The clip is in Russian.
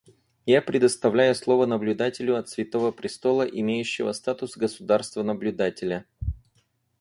Я предоставляю слово наблюдателю от Святого Престола, имеющего статус государства-наблюдателя.